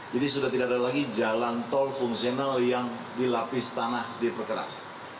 jadi sudah tidak ada lagi jalan tol fungsional yang dilapis tanah di pekeras